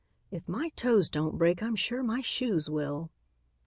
"If my toes don't break, I'm sure my shoes will."